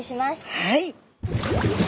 はい。